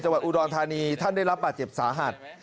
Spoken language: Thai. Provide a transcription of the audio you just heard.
วัดอุดรธานีท่านได้รับบาดเจ็บสาหัส